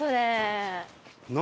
何？